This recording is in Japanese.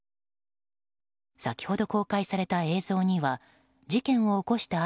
先ほど公開された映像には事件を起こした